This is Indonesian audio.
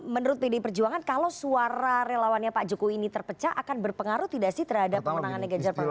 menurut pdi perjuangan kalau suara relawannya pak jokowi ini terpecah akan berpengaruh tidak sih terhadap pemenangannya ganjar pranowo